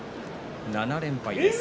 ７連敗です。